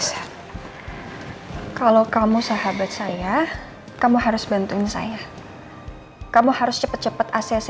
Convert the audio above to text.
hai kalau kamu sahabat saya kamu harus bantuin saya kamu harus cepet cepet acc